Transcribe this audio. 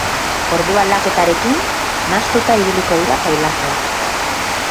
Ordu aldaketarekin nahastuta ibiliko dira pailazoak.